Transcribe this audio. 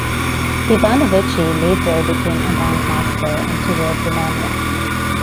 Ivanovici later became a bandmaster, and toured Romania.